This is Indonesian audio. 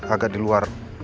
agak di luar